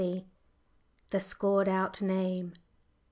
THE SCORED OUT NAME.